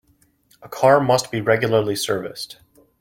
A car must be regularly serviced.